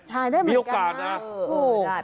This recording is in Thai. ใช่ได้เหมือนกันมีโอกาสนะ